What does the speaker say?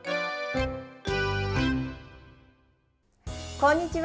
こんにちは。